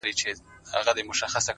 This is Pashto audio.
د ښايست تصوير دې دومره محدود سوی!!